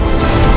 aku tidak mau